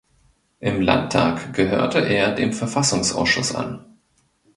Im Landtag gehörte er dem Verfassungsausschuss an.